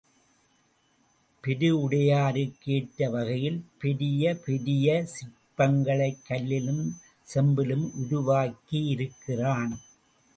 பெரு உடையாருக்கு ஏற்ற வகையில் பெரிய பெரிய சிற்பங்களை கல்லிலும் செம்பிலும் உருவாக்கியிருக்கிறான்.